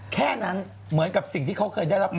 แค่นั้นเหมือนกับสิ่งที่เขาเคยได้รับสิทธิ์ของเขา